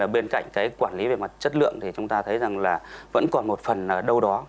bên cạnh quản lý về mặt chất lượng chúng ta thấy rằng vẫn còn một phần ở đâu đó